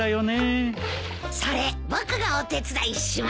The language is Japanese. それ僕がお手伝いします。